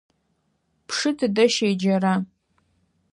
Пшы тыдэ щеджэра?